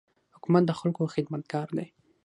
حکومت د خلکو خدمتګار دی.